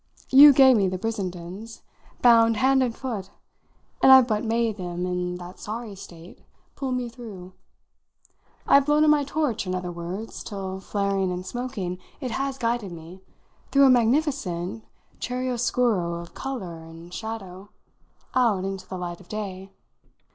You gave me the Brissendens bound hand and foot; and I've but made them, in that sorry state, pull me through. I've blown on my torch, in other words, till, flaring and smoking, it has guided me, through a magnificent chiaroscuro of colour and shadow, out into the light of day."